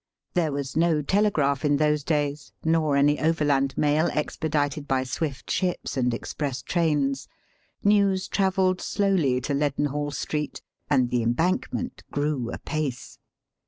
There was no telegraph in those days, nor any overland mail expedited by swift ships and express trains. News travelled slowly to Leadenhall Street, and the embankment grew apace.